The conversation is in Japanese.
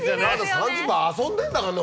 ３０分遊んでんだかんね